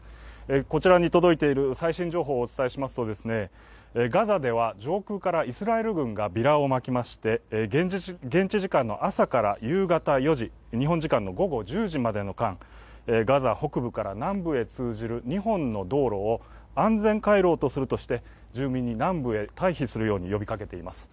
こちらに届いている最新情報をお伝えしますとガザでは上空からイスラエル軍がビラをまきまして、現地時間の朝から夕方４時、日本時間の午後１０時までの間、ガザ北部から南部に通じる２本の道路を安全回廊として住民に南部へ退避するよう呼びかけています。